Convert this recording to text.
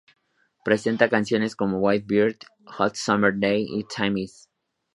Presenta canciones como "White Bird", "Hot Summer Day" y "Time Is".